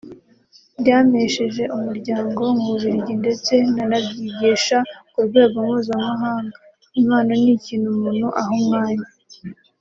Byampesheje umuryango mu Bubiligi ndetse nanabyigisha ku rwengo mpuzamahanga…Impano ni ikintu umuntu aha umwanya